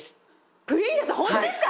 プリンセス本当ですか？